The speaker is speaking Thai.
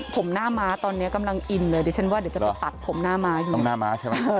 ผมหน้าตอนนี้กำลังอินเลยเดี๋ยวชั้นว่าเดี๋ยวจะไปตัดผมหน้ามาคลุมหน้ามาขอบคุณต้องแล้ว